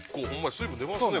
水分出ますね